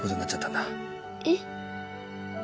えっ？